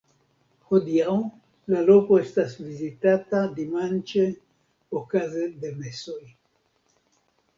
Hodiaŭ, la loko estas vizitata dimanĉe okaze de mesoj.